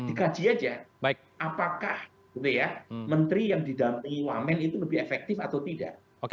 dikaji aja apakah menteri yang didampingi wamen itu lebih efektif atau tidak